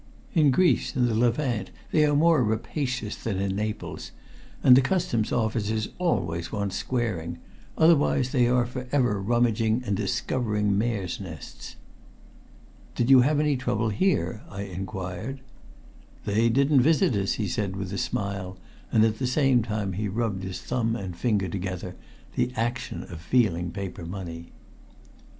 "In Greece and the Levant they are more rapacious than in Naples, and the Customs officers always want squaring, otherwise they are for ever rummaging and discovering mares' nests." "Did you have any trouble here?" I inquired. "They didn't visit us," he said with a smile, and at the same time he rubbed his thumb and finger together, the action of feeling paper money.